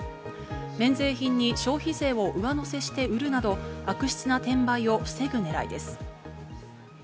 免税品に消費税を上乗せして売るなど、悪質な転売を防ぐねらいです。